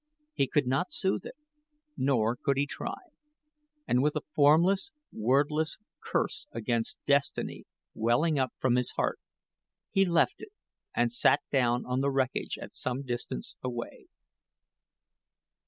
He could not soothe it, nor could he try; and with a formless, wordless curse against destiny welling up from his heart, he left it and sat down on the wreckage at some distance away.